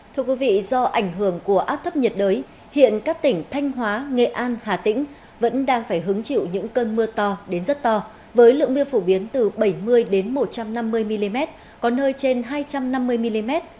thưa quý vị do ảnh hưởng của áp thấp nhiệt đới hiện các tỉnh thanh hóa nghệ an hà tĩnh vẫn đang phải hứng chịu những cơn mưa to đến rất to với lượng mưa phổ biến từ bảy mươi một trăm năm mươi mm có nơi trên hai trăm năm mươi mm